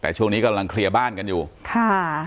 แต่ช่วงนี้กำลังเคลียร์บ้านกันอยู่ค่ะ